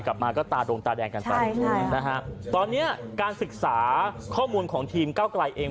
กลับมาก็ตาดงตาแดงกันไปนะฮะตอนเนี้ยการศึกษาข้อมูลของทีมเก้าไกลเอง